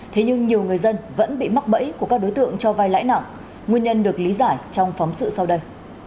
thế nhưng nhiều người dân vẫn bị mắc bẫy của các đối tượng cho vai lãi nặng nguyên nhân được lý giải trong phóng sự sau đây